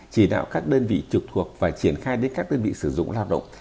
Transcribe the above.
chỉ đạo các đơn vị trực thuộc phải triển khai đến các đơn vị sử dụng lao động